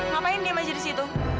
ngapain dia masih disitu